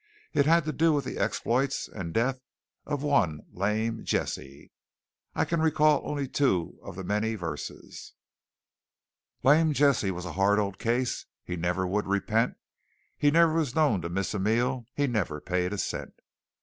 It had to do with the exploits and death of one Lame Jesse. I can recall only two of the many verses: "Lame Jesse was a hard old case; He never would repent. He ne'er was known to miss a meal He never paid a cent!